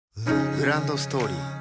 グランドストーリー